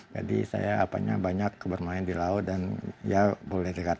jadi saya apanya banyak bermain di laut dan ya boleh dikatakan